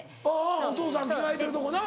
お父さん着替えてるとこな。